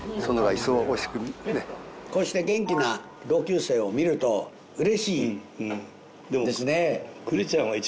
こうして元気な同級生を見るとうれしいですね。